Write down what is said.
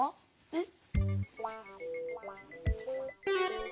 えっ？